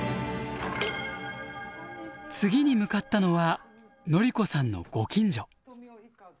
次に向かったのはのりこさんのご近所。